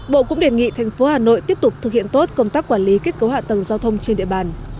bộ cũng đề nghị thành phố hà nội tiếp tục thực hiện tốt công tác quản lý kết cấu hạ tầng giao thông trên địa bàn